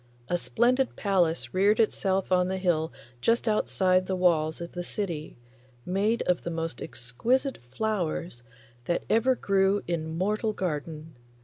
A splendid palace reared itself on the hill just outside the walls of the city, made of the most exquisite flowers that ever grew in mortal garden.